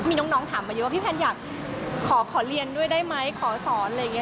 มีน้องถามมาเยอะว่าพี่แพนอยากขอเรียนด้วยได้ไหมขอสอนอะไรอย่างนี้